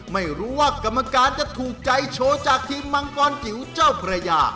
ไม่รู้ว่ากรรมการจะถูกใจโชว์จากทีมมังกรจิ๋วเจ้าพระยา